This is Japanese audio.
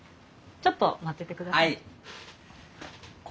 ちょっと待っててくださいね。